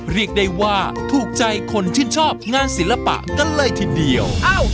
เรียกได้ว่าถูกใจคนชื่นชอบงานศิลปะกันเลยทีเดียว